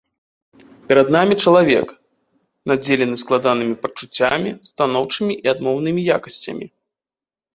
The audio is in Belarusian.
Перад намі чалавек, надзелены складанымі пачуццямі, станоўчымі і адмоўнымі якасцямі.